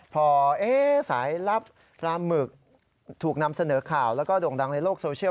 พอสายลับปลาหมึกถูกนำเสนอข่าวแล้วก็โด่งดังในโลกโซเชียล